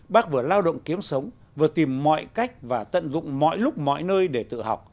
bác vừa lao động kiếm sống vừa tìm mọi cách và tận dụng mọi lúc mọi nơi để tự học